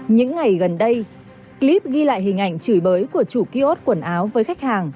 những ngày gần đây clip ghi lại hình ảnh chửi bới của chủ kiosk quần áo với khách hàng